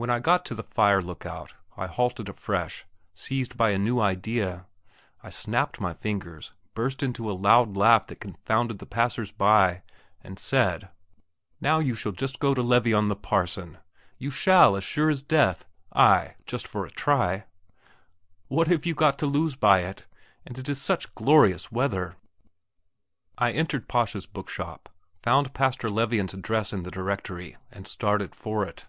When I got to the fire look out, I halted afresh, seized by a new idea. I snapped my fingers, burst into a loud laugh that confounded the passers by, and said: "Now you shall just go to Levion the parson. You shall, as sure as death ay, just for a try. What have you got to lose by it? and it is such glorious weather!" I entered Pascha's book shop, found Pastor Levion's address in the directory, and started for it.